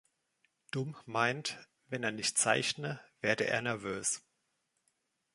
Dumm meint, wenn er nicht zeichne, werde er nervös.